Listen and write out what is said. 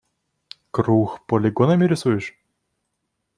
Круг полигонами рисуешь?